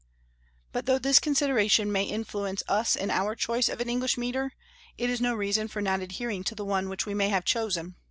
But though this consideration may influence us in our choice of an English metre, it is no reason for not adhering to the one which we may have chosen.